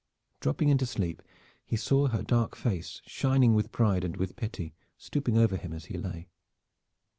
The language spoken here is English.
Dropping into sleep, he saw her dark face, shining with pride and with pity, stooping over him as he lay.